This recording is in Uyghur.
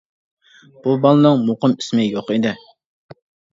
بۇ بالىنىڭ مۇقىم ئىسمى يوق ئىدى.